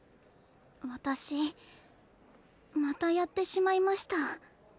私またやってしまいました。